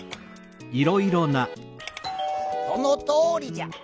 「そのとおりじゃ」。